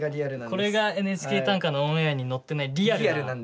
これが「ＮＨＫ短歌」のオンエアに乗ってないリアルな。